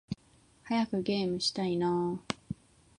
早くゲームしたいな〜〜〜